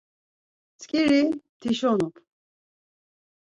Mtzǩiri p̌tişonup.